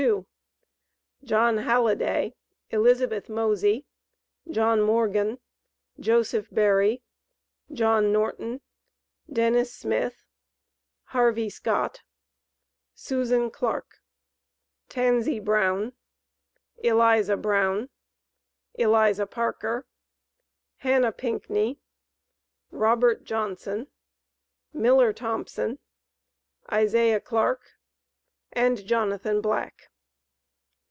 2), John Halliday, Elizabeth Mosey, John Morgan, Joseph Berry, John Norton, Denis Smith, Harvey Scott, Susan Clark, Tansy Brown, Eliza Brown, Eliza Parker, Hannah Pinckney, Robert Johnson, Miller Thompson, Isaiah Clark, and Jonathan Black.